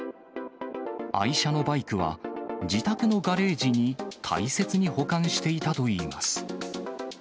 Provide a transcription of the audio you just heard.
愛車のバイクは、自宅のガレージに大切に保管していたといいます。